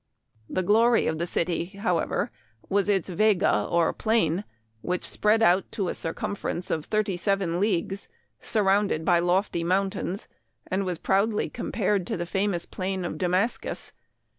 " The glory of the city, however, was its vega or plain, which spread out to a circumference of thirty seven leagues, surrounded by lofty mount ains, and was proudly compared to the famous plain of Damascus.